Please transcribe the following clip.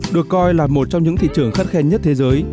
được coi là một trong những thị trường khắt khe nhất thế giới